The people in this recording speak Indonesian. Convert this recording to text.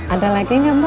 ada lagi enggak mba